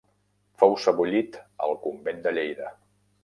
Fou sebollit al convent de Lleida.